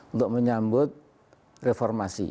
untuk menyambut reformasi